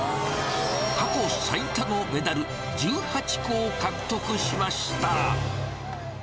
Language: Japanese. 過去最多のメダル１８個を獲得しました。